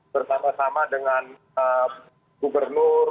bersama sama dengan gubernur